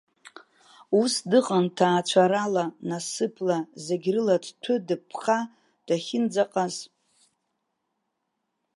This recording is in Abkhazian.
Ус дыҟан ҭаацәарала, насыԥла, зегьрыла дҭәы-дыԥҳа дахьынӡаҟаз.